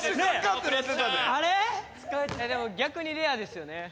でも逆にレアですよね。